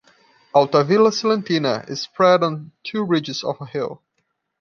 Altavilla Silentina is spread on two ridges of a hill.